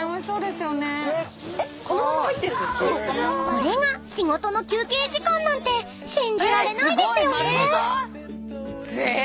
［これが仕事の休憩時間なんて信じられないですよね］